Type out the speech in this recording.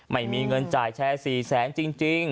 ไม่มีเงินจ่ายแชร์๔แสนจริง